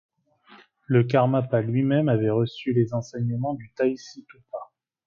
Le Karmapa lui-même avait reçu les enseignements du Tai Sitoupa.